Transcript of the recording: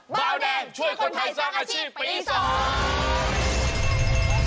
เบาแดงช่วยคนไทยสร้างอาชีพปีสอง